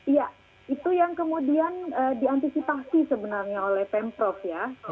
iya itu yang kemudian diantisipasi sebenarnya oleh pemprov ya